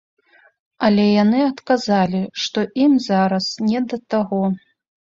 Але яны адказалі, што ім зараз не да таго.